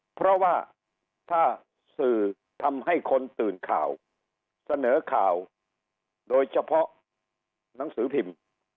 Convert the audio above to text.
เพราะว่าถ้าสื่อทำให้คนตื่นข่าวเสนอข่าวโดยเฉพาะหนังสือพิมพ์